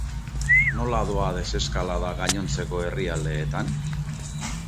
Nola doa deseskalada gainontzeko herrialdeetan?